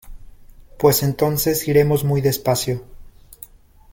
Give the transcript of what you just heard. pues entonces iremos muy despacio